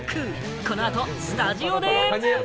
この後、スタジオで！